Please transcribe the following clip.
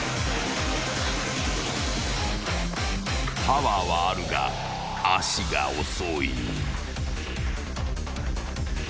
［パワーはあるが足が遅い］